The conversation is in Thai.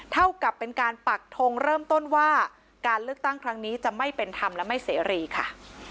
เท่ากับเป็นการปักทงเริ่มต้นว่าการเลือกตั้งครั้งนี้จะไม่เป็นธรรมและไม่เสรีค่ะ